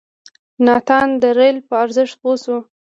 ناتان د رېل په ارزښت پوه شو.